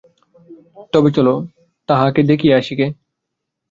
তবে চলো, তাঁহাকে দেখিয়া আসি গে।